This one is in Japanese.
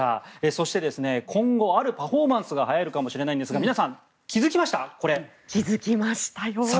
そして、今後あるパフォーマンスがはやるかもしれないんですが皆さん、気付きました？